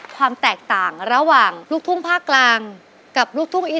ซึ่งสร้างตัวเราจะขนาดนี้